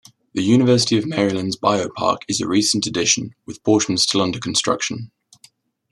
The University of Maryland's BioPark is a recent addition, with portions still under construction.